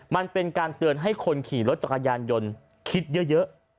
มันเป็นการเตือนให้คนขี่รถจักรยานยนต์คิดเยอะ